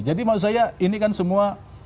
jadi maksud saya ini kan semua